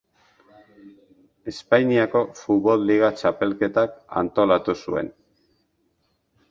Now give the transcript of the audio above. Espainiako futbol liga txapelketak antolatu zuen.